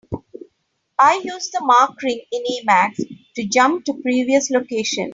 I use the mark ring in Emacs to jump to previous locations.